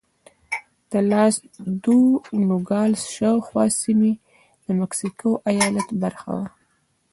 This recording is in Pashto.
د لاس دو نوګالس شاوخوا سیمې د مکسیکو ایالت برخه وې.